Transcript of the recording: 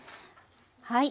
はい。